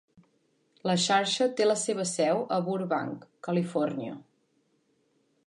La xarxa té la seva seu a Burbank, California.